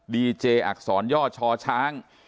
ดีเจอักษรย่อชอช้าง